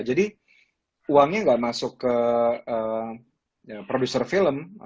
jadi uangnya nggak masuk ke produser film